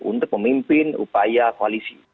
untuk memimpin upaya koalisi